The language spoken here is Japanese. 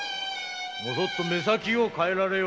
もそっと目先を変えられよ〕